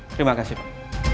terima kasih pak